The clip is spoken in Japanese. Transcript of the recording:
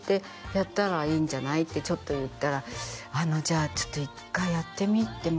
「やったらいいんじゃない？」ってちょっと言ったら「じゃあちょっと１回やってみてもらっても」